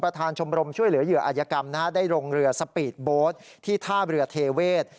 ประธานชมรมช่วยเหลือเหยื่ออัยกรรมนะฮะได้ลงเรือสปีดโบสต์ที่ท่าเรือเทเวศ